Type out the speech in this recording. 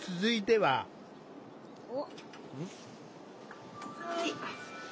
はい。